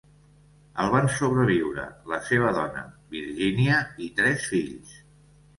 El van sobreviure la seva dona, Virginia, i tres fills.